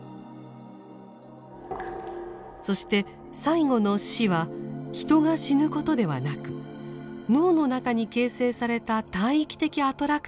そして最後の「死」は人が死ぬことではなく脳の中に形成された大域的アトラクターが崩壊することを意味します。